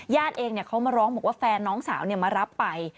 เองเขามาร้องบอกว่าแฟนน้องสาวมารับไป